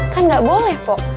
kan enggak boleh po